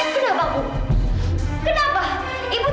ibu takut kan takut dituntut sama alena kan